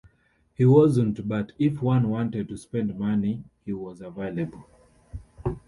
He wasn't, but if one wanted to spend money, he was available.